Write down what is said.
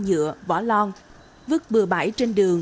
thì nói thật